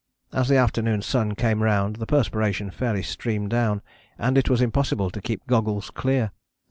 As the afternoon sun came round the perspiration fairly streamed down, and it was impossible to keep goggles clear.